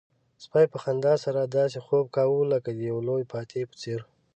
سپي په خندا سره داسې خوب کاوه لکه د یو لوی فاتح په څېر.